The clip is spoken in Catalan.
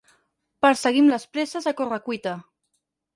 Perseguim les presses a corre-cuita.